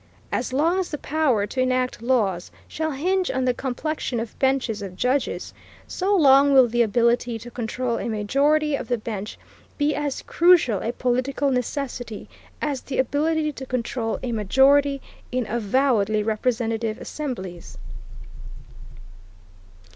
As long as the power to enact laws shall hinge on the complexion of benches of judges, so long will the ability to control a majority of the bench be as crucial a political necessity as the ability to control a majority in avowedly representative assemblies.